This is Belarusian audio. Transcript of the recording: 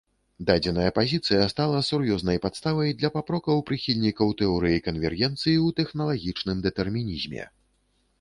Дадзеная пазіцыя стала сур'ёзнай падставай для папрокаў прыхільнікаў тэорыі канвергенцыі ў тэхналагічным дэтэрмінізме.